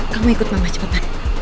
kamu ikut mama cepetan